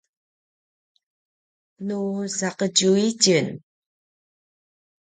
nu saqetju itjen